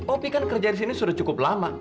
opi kan kerja di sini sudah cukup lama